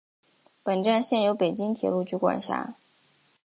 本站现由北京铁路局管辖。